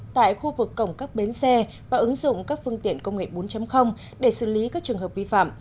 tại khu vực cổng các bến xe và ứng dụng các phương tiện công nghệ bốn để xử lý các trường hợp vi phạm